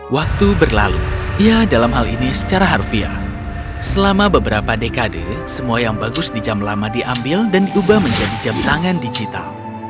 waktu berlalu ya dalam hal ini secara harfiah selama beberapa dekade semua yang bagus di jam lama diambil dan diubah menjadi jam tangan digital